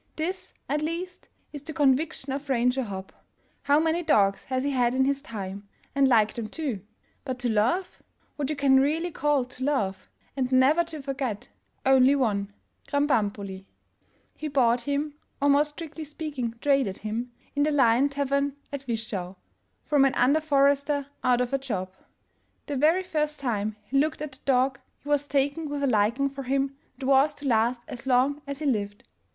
This, at least, is the conviction of Ranger Hopp. How many dogs has he had in his time, and liked them too ! But to love — what you can really call to love — and never to forget, only one: Krambambuli. He bought him, or more strictly speaking traded him, in the '' Lion '' tavern at Wischau, from an under f orester out of a job. The very first time he looked at the dog, he was taken with a liking for him that was to last as long as he lived.